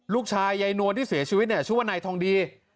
ลูกชายใยนวลที่เสียชีวิตชื่อว่านายทองดี